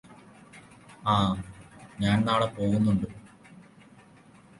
ആ ഞാന് നാളെ പോവുന്നുണ്ട്